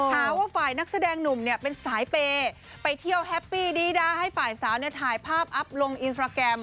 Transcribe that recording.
หาว่าฝ่ายนักแสดงหนุ่มเนี่ยเป็นสายเปย์ไปเที่ยวแฮปปี้ดี้ให้ฝ่ายสาวเนี่ยถ่ายภาพอัพลงอินสตราแกรม